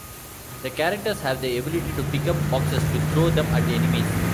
The characters have the ability to pick up boxes to throw them at enemies.